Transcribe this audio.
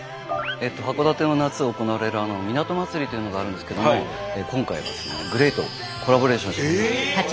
函館の夏行われる港まつりというのがあるんですけども今回はですねＧＬＡＹとコラボレーションしてます。